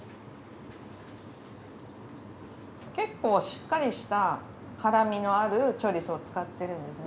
結構しっかりした辛みのあるチョリソーを使ってるんですね。